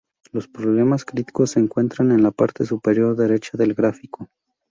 Los problemas críticos se encuentran en la parte superior derecha del gráfico.